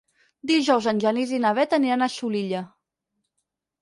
Dijous en Genís i na Bet aniran a Xulilla.